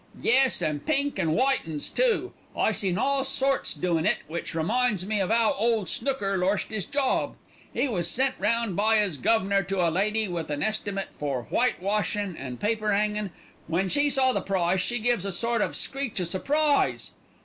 "Yes, an' pink an' white 'uns too. I seen all sorts doin' it which reminds me of 'ow ole Snooker lorst 'is job. 'E wos sent round by 'is guv'nor to a lady with an estimate for white washin' and paper 'angin'. When she saw the price she gives a sort of screech o' surprise.